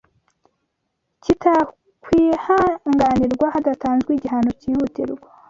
kitakwihanganirwa hadatanzwe igihano cyihutirwa